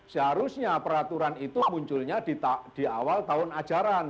seharusnya peraturan itu munculnya di awal tahun ajaran